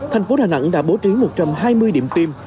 thành phố đà nẵng đã bố trí một trăm hai mươi điểm tiêm